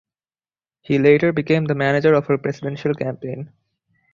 He later became the manager of her presidential campaign.